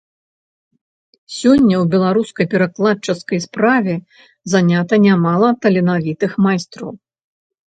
Сёння ў беларускай перакладчыцкай справе занята нямала таленавітых майстроў.